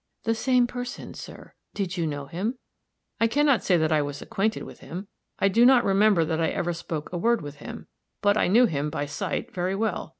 "The same person, sir. Did you know him?" "I can not say that I was acquainted with him. I do not remember that I ever spoke a word with him. But I knew him, by sight, very well.